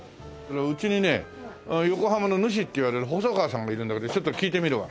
うちにね横浜の主っていわれる細川さんがいるんだけどちょっと聞いてみるわ。